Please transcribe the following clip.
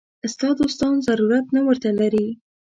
ستا دوستان ضرورت نه ورته لري.